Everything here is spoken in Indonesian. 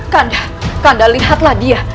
kanda kanda lihatlah dia